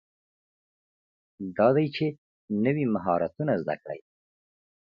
دا دی چې نوي مهارتونه زده کړئ.